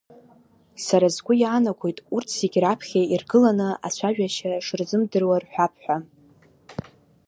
Сара сгәы иаанагоит урҭ зегьы раԥхьа иргыланы ацәажәашьа шырзымдыруа рҳәап ҳәа!